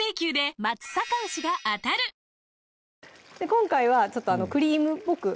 今回はちょっとクリームっぽく